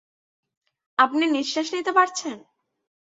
আপনি নিশ্বাস নিতে পারছেন?